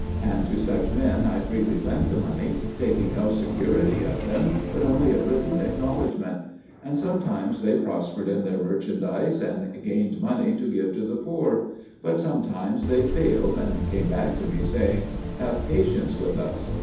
And to such men I freely lent the money, taking no security of them, but only a written acknowledgment. And sometimes they prospered in their merchandise and gained money to give to the poor; but sometimes they failed and came back to me, saying, "Have patience with us."